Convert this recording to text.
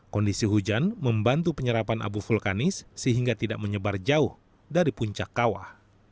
kondisi hujan membantu penyerapan abu vulkanis sehingga tidak menyebar jauh dari puncak kawah